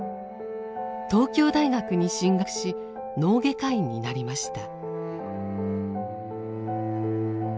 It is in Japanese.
東京大学に進学し脳外科医になりました。